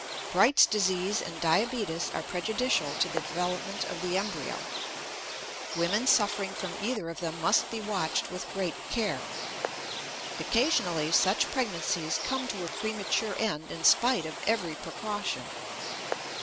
Bright's disease and diabetes are prejudicial to the development of the embryo; women suffering from either of them must be watched with great care. Occasionally, such pregnancies come to a premature end in spite of every precaution.